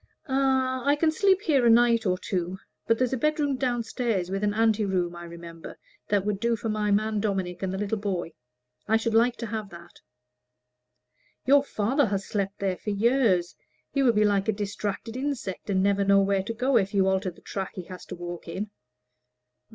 "Ah, I can sleep here a night or two. But there's a bedroom down stairs, with an ante room, I remember, that would do for my man Dominic and the little boy. I should like to have that." "Your father has slept there for years. He will be like a distracted insect, and never know where to go, if you alter the track he has to walk in."